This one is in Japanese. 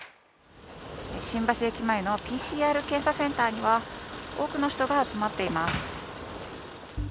新橋駅前のＰＣＲ検査センターには多くの人が集まっています。